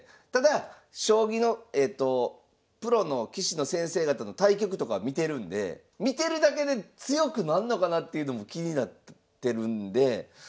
ただ将棋のプロの棋士の先生方の対局とか見てるんで見てるだけで強くなんのかなっていうのも気になってるんで。